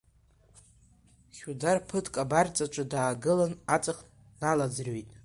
Хьудар ԥыҭк абарҵаҿы даагылан, аҵх дналаӡырҩит.